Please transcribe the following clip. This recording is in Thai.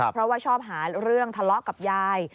เพราะว่าชอบหาเรื่องทะเลาะกับยาย